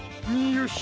よし！